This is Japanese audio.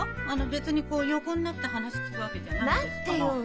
別にこう横になって話聞くわけじゃないんですから。